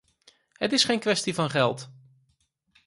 Het is geen kwestie van geld.